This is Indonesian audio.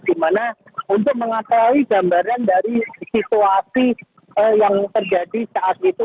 di mana untuk mengetahui gambaran dari situasi yang terjadi saat itu